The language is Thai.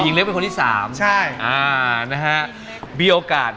หยิงเล็กลงและคนที่สาม